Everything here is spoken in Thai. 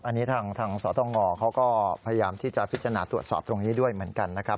อันนี้ทางสตงเขาก็พยายามที่จะพิจารณาตรวจสอบตรงนี้ด้วยเหมือนกันนะครับ